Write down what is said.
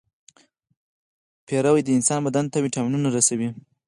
پنېر د انسان بدن ته وټامنونه رسوي.